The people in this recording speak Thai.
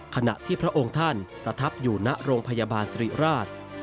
ขณะที่พระองค์ท่านประทับอยู่ณโรงพยาบาลสิริราช